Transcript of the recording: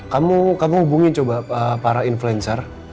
kamu hubungi coba para influencer